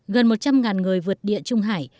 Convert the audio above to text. gần một trăm linh người vượt địa trung hải